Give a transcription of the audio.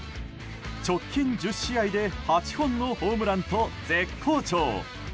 直近１０試合で８本のホームランと絶好調。